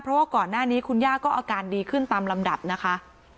เพราะว่าก่อนหน้านี้คุณย่าก็อาการดีขึ้นตามลำดับนะคะ